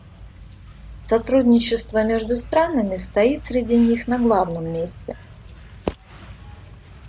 Сотрудничество между странами стоит среди них на главном месте.